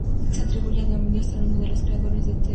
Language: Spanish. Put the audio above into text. Se atribuye a Abundio ser uno de los creadores del "Te Deum".